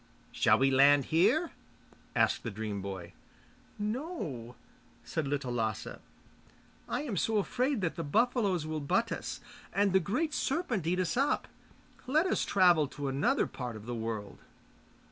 'Shall we land here?' asked the dream boy. 'No,' said Little Lasse. 'I am so afraid that the buffaloes will butt us, and the great serpent eat us up. Let us travel to another part of the world.